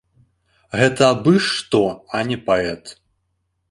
Гэта абы што, а не паэт!